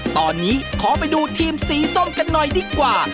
ตอนนี้ขอไปดูทีมสีส้มกันหน่อยดีกว่า